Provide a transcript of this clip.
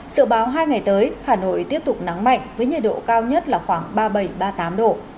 sự báo hai ngày tới hà nội tiếp tục nắng mạnh với nhiệt độ cao nhất là khoảng ba mươi bảy ba mươi tám độ